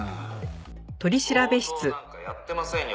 「強盗なんかやってませんよ